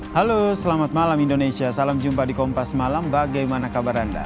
halo selamat malam indonesia salam jumpa di kompas malam bagaimana kabar anda